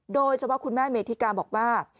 โดยเฉพาะคุณแม่เมธิกาบอกว่า